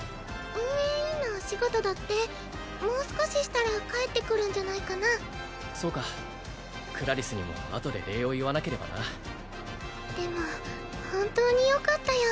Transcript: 運営委員のお仕事だってもう少ししたら帰ってくるんじゃないかなそうかクラリスにもあとで礼を言わなければなでも本当によかったよ